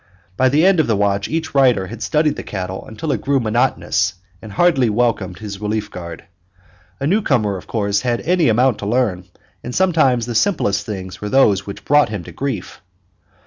But by the end of the watch each rider had studied the cattle until it grew monotonous, and heartily welcomed his relief guard. A newcomer, of course, had any amount to learn, and sometimes the simplest things were those which brought him to grief.